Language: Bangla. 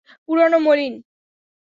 পুরানো, মলিন।